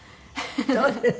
そうですか。